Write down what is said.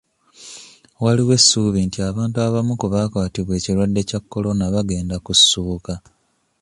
Waliwo essuubi nti abantu abamu ku baakwatibwa ekirwadde kya Corona bagenda kussuuka.